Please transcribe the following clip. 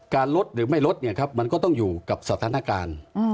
ลดหรือไม่ลดเนี่ยครับมันก็ต้องอยู่กับสถานการณ์